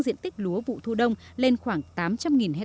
diện tích lúa vụ thu đông lên khoảng tám trăm linh ha